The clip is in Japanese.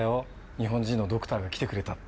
日本人のドクターが来てくれたって。